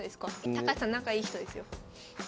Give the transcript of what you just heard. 高橋さん仲いい人ですよ。